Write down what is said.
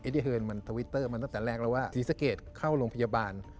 ถึงมาเจอภาพนั้น